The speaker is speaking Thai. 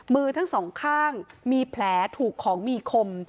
มือทั้งสองข้างมีแผลถูกของมีคม